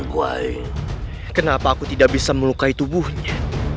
karena aku tidak bisa melukai tubuhmu